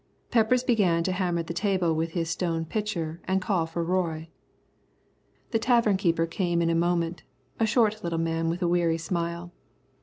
Peppers began to hammer the table with his stone pitcher and call for Roy. The tavern keeper came in a moment, a short little man with a weary smile.